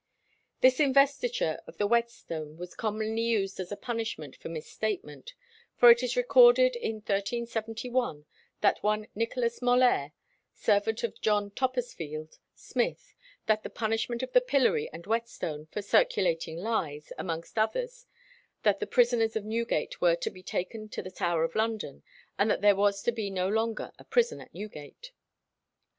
This investiture of the whetstone was commonly used as a punishment for misstatement;[25:1] for it is recorded in 1371 that one Nicholas Mollere, servant of John Toppesfield, smith, had the punishment of the pillory and whetstone for "circulating lies," amongst others that the prisoners at Newgate were to be taken to the Tower of London, and that there was to be no longer a prison at Newgate.